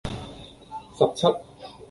十七